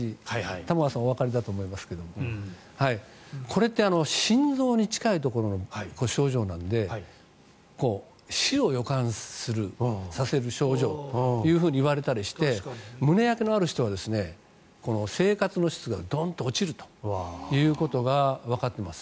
玉川さんはおわかりだと思いますがこれって心臓に近いところの症状なので死を予感させる症状といわれたりして胸焼けのある人は生活の質がドンと落ちることがわかっています。